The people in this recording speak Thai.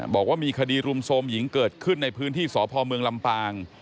บอกว่ามีคดีรุมโทรมหญิงเกิดขึ้นในพื้นที่สพเมืองลำปาง